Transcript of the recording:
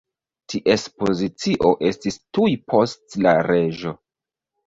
Ties pozicio estis tuj post la reĝo.